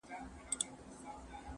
لېونو سره پرته د عشق معنا وي,